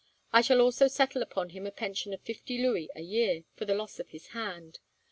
I shall also settle upon him a pension of fifty louis a year, for the loss of his hand.